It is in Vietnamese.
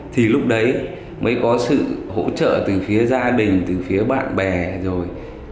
thì lúc đấy mới có sự hỗ trợ từ phía gia đình từ phía bạn bè rồi